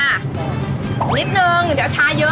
นิดนึงเดี๋ยวชาเยอะ